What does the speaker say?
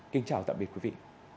kính chào tạm biệt quý vị